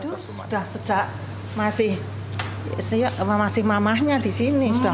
aduh udah sejak masih mamahnya disini